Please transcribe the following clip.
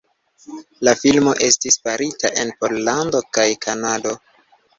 La filmo estis farita en Pollando kaj Kanado.